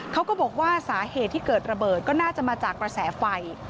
เขาก็บอกว่าสาเหตุที่เกิดระเบิดก็น่าจะมาจากกระแสไฟ